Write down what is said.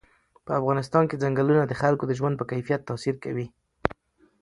په افغانستان کې چنګلونه د خلکو د ژوند په کیفیت تاثیر کوي.